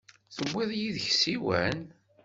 Tewwiḍ yid-k ssiwan?